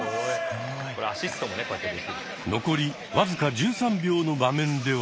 残り僅か１３秒の場面では。